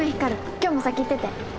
今日も先行ってて。